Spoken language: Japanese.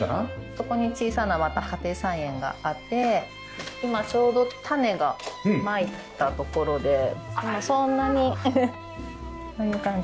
そこに小さなまた家庭菜園があって今ちょうど種がまいたところで今そんなにこういう感じ。